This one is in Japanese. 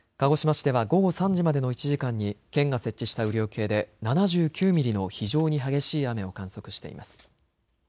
鹿児島市では午後３時までの１時間に県が設置した雨量計で７９ミリの非常に激しい雨を観測しています。